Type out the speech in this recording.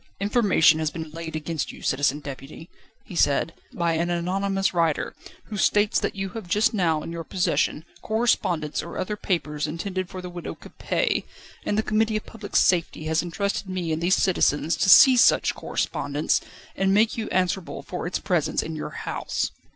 "Information has been laid against you, Citizen Deputy," he said, "by an anonymous writer, who states that you have just now in your possession correspondence or other papers intended for the Widow Capet: and the Committee of Public Safety has entrusted me and these citizens to seize such correspondence, and make you answerable for its presence in your house."